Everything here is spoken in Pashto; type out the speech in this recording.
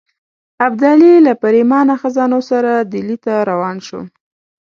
ابدالي له پرېمانه خزانو سره ډهلي ته روان شو.